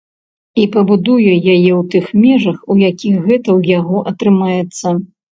І пабудуе яе ў тых межах, у якіх гэта ў яго атрымаецца.